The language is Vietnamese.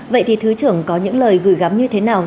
vậy thì thứ trưởng có những lời gửi gắm như thế nào